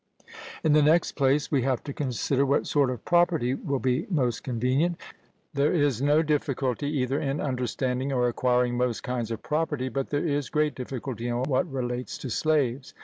In the next place, we have to consider what sort of property will be most convenient. There is no difficulty either in understanding or acquiring most kinds of property, but there is great difficulty in what relates to slaves.